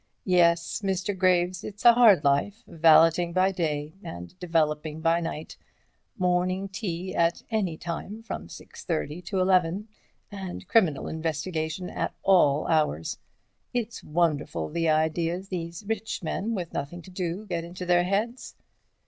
Yes, Mr. Graves, it's a hard life, valeting by day and developing by night—morning tea at any time from 6:30 to 11, and criminal investigation at all hours. It's wonderful, the ideas these rich men with nothing to do get into their heads."